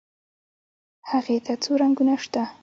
هغې ته څو رنګونه شته.